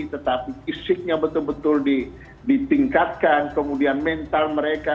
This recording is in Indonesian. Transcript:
tetapi fisiknya betul betul ditingkatkan kemudian mental mereka